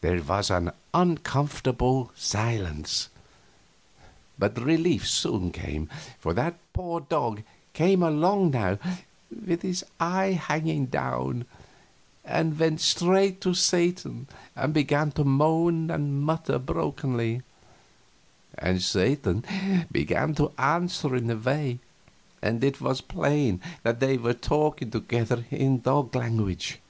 There was an uncomfortable silence, but relief soon came, for that poor dog came along now, with his eye hanging down, and went straight to Satan, and began to moan and mutter brokenly, and Satan began to answer in the same way, and it was plain that they were talking together in the dog language.